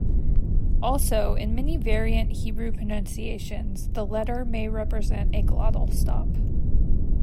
Also, in many variant Hebrew pronunciations the letter may represent a glottal stop.